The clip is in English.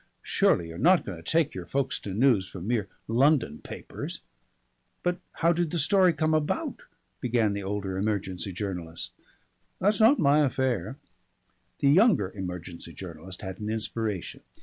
"Surely you're not going to take your Folkestone news from mere London papers." "But how did the story come about?" began the older emergency journalist. "That's not my affair." The younger emergency journalist had an inspiration.